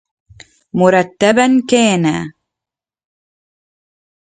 مُرَتَّبًا كَانَ